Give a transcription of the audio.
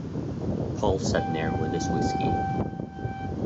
Paul sat near with his whisky.